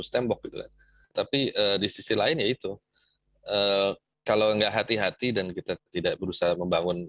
tembok gitu tapi di sisi lain yaitu kalau enggak hati hati dan kita tidak berusaha membangun